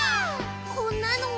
「こんなのは？」